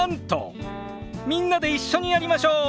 みんなで一緒にやりましょう！